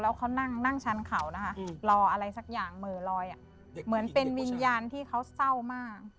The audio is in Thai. แล้วเขานั่งชั้นเข่ารออะไรสักอย่างเหมือนเป็นวิญญาณที่เขาเศร้ามาก